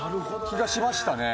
気がしましたね。